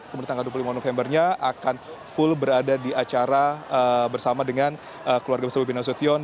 kemudian tanggal dua puluh lima novembernya akan full berada di acara bersama dengan keluarga besar bobi nasution